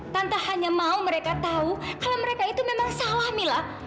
tanpa hanya mau mereka tahu kalau mereka itu memang salah mila